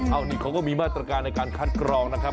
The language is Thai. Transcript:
อันนี้เขาก็มีมาตรการในการคัดกรองนะครับ